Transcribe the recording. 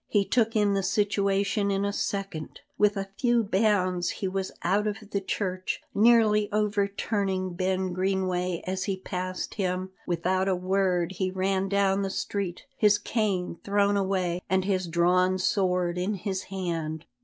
He took in the situation in a second. With a few bounds he was out of the church, nearly overturning Ben Greenway as he passed him. Without a word he ran down the street, his cane thrown away, and his drawn sword in his hand.